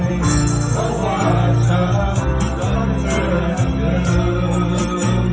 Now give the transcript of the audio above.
เพราะว่าฉันต้องเจอทั้งเดิม